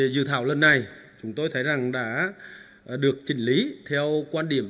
dự thảo lần này chúng tôi thấy rằng đã được chỉnh lý theo quan điểm